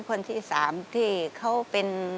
คนที่๓ที่เขาเป็น